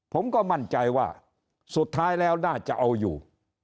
ผมก็มั่นใจว่าสุดท้ายแล้วน่าจะเอาอยู่